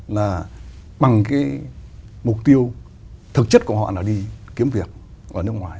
là bằng cái mục tiêu thực chất của họ là đi kiếm việc ở nước ngoài